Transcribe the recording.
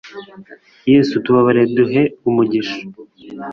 yesu tubabarire duhe umugissha